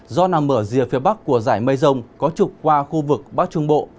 do nằm ở rìa phía bắc của dải mây rồng có trục qua khu vực bắc trung bộ